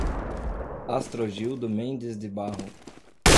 Astrogildo Mendes de Barrros